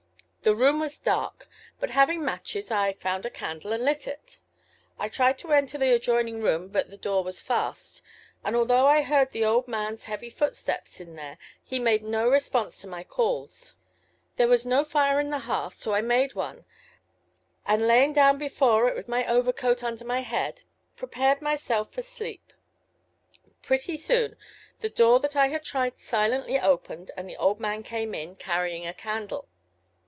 The room was dark, but having matches I found a candle and lit it. I tried to enter the adjoining room, but the door was fast, and although I heard the old manŌĆÖs heavy footsteps in there he made no response to my calls. There was no fire on the hearth, so I made one and laying down before it with my overcoat under my head, prepared myself for sleep. Pretty soon the door that I had tried silently opened and the old man came in, carrying a candle.